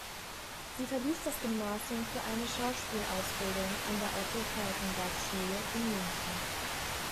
Sie verließ das Gymnasium für eine Schauspielausbildung an der Otto-Falckenberg-Schule in München.